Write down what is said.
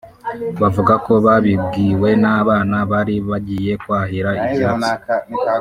bavuga ko babibwiwe n’abana bari bagiye kwahira ibyatsi